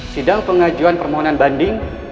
sidang pengajuan permohonan banding